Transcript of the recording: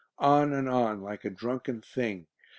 On and on, like a drunken thing.